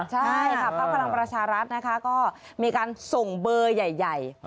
ใช่ค่ะพักพลังประชารัฐนะคะก็มีการส่งเบอร์ใหญ่